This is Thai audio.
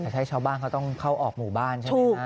แต่ถ้าชาวบ้านเขาต้องเข้าออกหมู่บ้านใช่ไหมฮะ